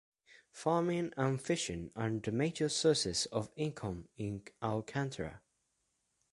Farming and fishing are the major sources of income in Alcantara.